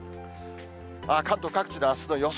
関東各地のあすの予想